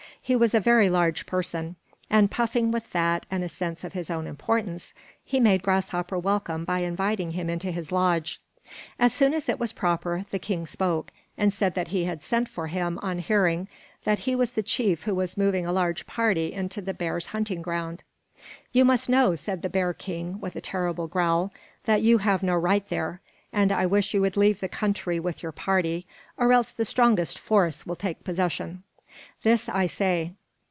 He was a very large person; and puffing with fat and a sense of his own importance, he made Grasshopper welcome by inviting him into his lodge. As soon as it was proper, the king spoke, and said that he had sent for him on hearing that he was the chief who was moving a large party into the bears' hunting ground. "You must know," said the bear king with a terrible growl, "that you have no right there, and I wish you would leave the country with your party, or else the strongest force will take possession. This I say."